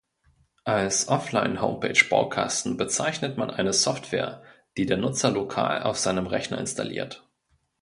Als Offline-Homepage-Baukasten bezeichnet man eine Software, die der Nutzer lokal auf seinem Rechner installiert.